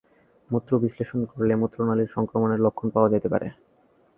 মূত্র বিশ্লেষণ করলে মূত্রনালির সংক্রমণের লক্ষণ পাওয়া যেতে পারে।